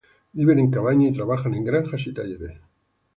Viven en cabañas y trabajan en granjas y talleres.